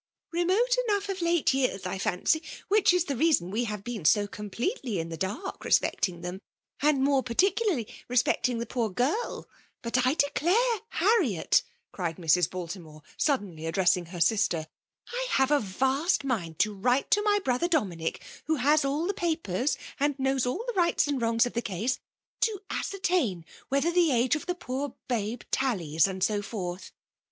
" ''Remote enough of late years, I fancy; which is the reason we have been so com pletely in the dark respecting them, and more particularly respecting the poor girL But I declare, Harriet," cried Mrs Baltimore, sud FRMALB IK)MINATION. 156 denly addressing her sister, I have avast mind to write to my brother Domiiuck» who has all the papers, and knows all the rights and wrongs of the case^ to ascertain whether the age of the poor babe tallies, and so forth.